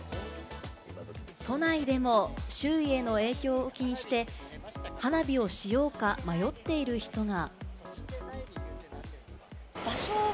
都内でも周囲への影響を気にして、花火をしようか迷っている人が。